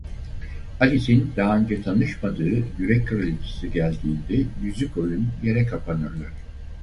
Alice'in daha önce tanışmadığı Yürek Kraliçesi geldiğinde yüzükoyun yere kapanırlar.